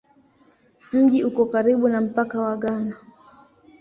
Mji uko karibu na mpaka wa Ghana.